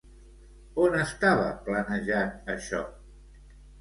On estava planejat això?